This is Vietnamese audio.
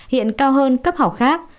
hiện cao hơn cấp học khác